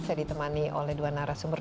saya ditemani oleh dua narasumber